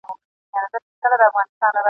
ښارونه تر کلیو ډېري تعلیمي اسانتیاوي لري.